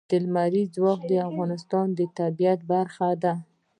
لمریز ځواک د افغانستان د طبیعت برخه ده.